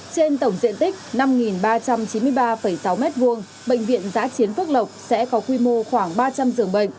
trên tổng diện tích năm ba trăm chín mươi ba sáu m hai bệnh viện giã chiến phước lộc sẽ có quy mô khoảng ba trăm linh giường bệnh